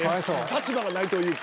立場がないというか。